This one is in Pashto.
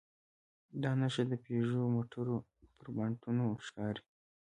دا نښه د پيژو موټرو پر بانټونو ښکاري.